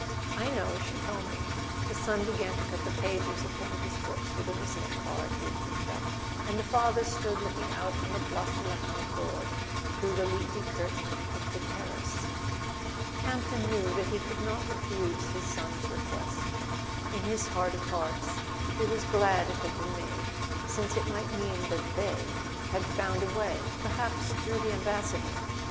"I know; she told me." The son began to cut the pages of one of his books with a visiting card he had picked up, and the father stood looking out on the Place de la Concorde through the leafy curtain of the terrace. Campton knew that he could not refuse his son's request; in his heart of hearts he was glad it had been A SON AT THE FRONT made, since it might mean that "they" had found a way—perhaps through the Ambassador.